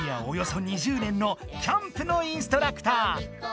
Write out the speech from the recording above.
およそ２０年のキャンプのインストラクター。